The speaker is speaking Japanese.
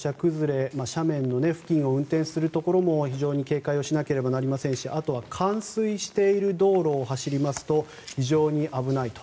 斜面付近を運転する際にも非常に警戒をしなければなりませんしあとは冠水している道路を走りますと非常に危ないと。